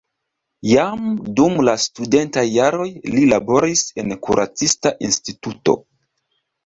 Jam dum la studentaj jaroj li laboris en kuracista instituto.